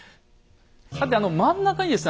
さて真ん中にですね